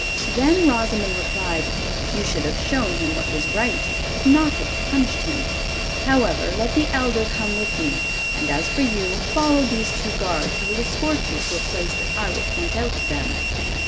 Then Rosimond replied, 'You should have shown him what was right, but not have punished him. However, let the elder come with me, and as for you, follow these two guards, who will escort you to a place that I will point out to them.